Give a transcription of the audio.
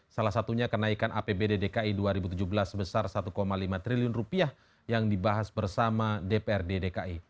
salah satunya kenaikan apbd dki dua ribu tujuh belas sebesar satu lima triliun rupiah yang dibahas bersama dprd dki